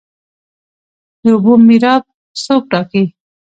د اوبو میراب څوک ټاکي؟